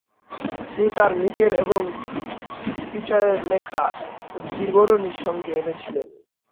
তিনি তাঁর নিজের এবং পিটারের লেখা বিবরণী সঙ্গে এনেছিলেন।